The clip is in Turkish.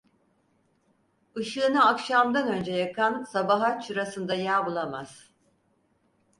Işığını akşamdan önce yakan sabaha çırasında yağ bulamaz.